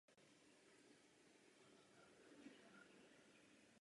Zadruhé Komise je transparentní.